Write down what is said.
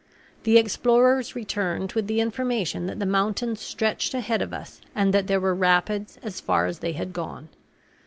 The explorers returned with the information that the mountains stretched ahead of us, and that there were rapids as far as they had gone.